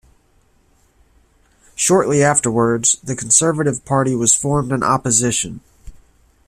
Shortly afterwards, the Conservative Party was formed in opposition.